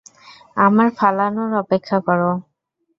আমার ফালানোর অপেক্ষা করো!